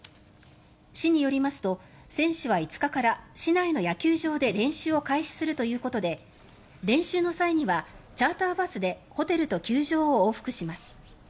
市によりますと選手は５日から市内の野球場で練習を開始するということで練習の際にはチャーターバスでホテルと球場を往復します。